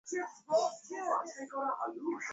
আজকে মার্দি গ্রাস উৎসবের শেষ রাত!